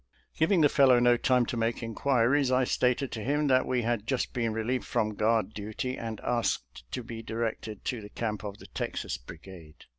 Giv ing the fellow no time to make inquiries, I stated to him that we had just been relieved from guard duty, and asked to be directed to the camp of the Texas Brigade.